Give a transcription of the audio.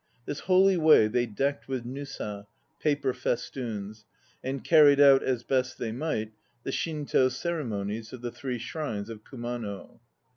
This "holy way" they decked with nusa, "paper festoons," and carried out, as best they might, the Shinto ceremonies of the three shrines of Kumano.